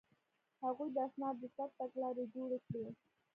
هغوی د اسنادو د ثبت تګلارې جوړې کړې.